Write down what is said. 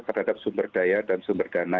terhadap sumber daya dan sumber dana